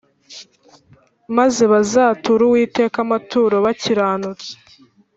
maze bazature Uwiteka amaturo bakiranutse.